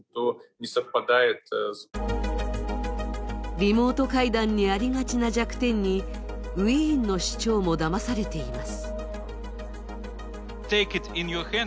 リモート会談にありがちな弱点にウィーンの市長もだまされています。